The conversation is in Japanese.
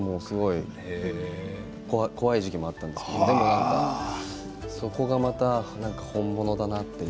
怖い時期もあったんですけどでも何かそこがまた本物だなという。